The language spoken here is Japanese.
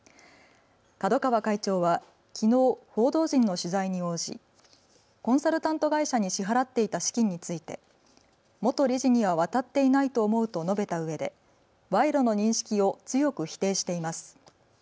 角川会長はきのう報道陣の取材に応じコンサルタント会社に支払っていた資金について元理事には渡っていないと思うと述べたうえで賄賂の認識を強く否定しています。